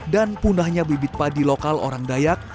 dan punahnya bibit padi lokal orang dayak